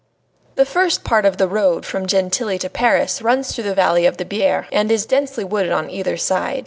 III The first part of the road from Gentilly to Paris runs through the valley of the Biere, and is densely wooded on either side.